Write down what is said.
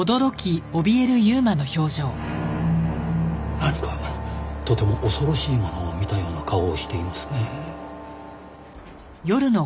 何かとても恐ろしいものを見たような顔をしていますねぇ。